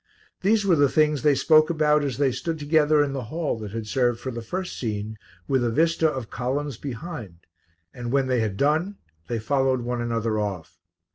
These were the things they spoke about as they stood together in the hall that had served for the first scene with a vista of columns behind, and when they had done they followed one another off.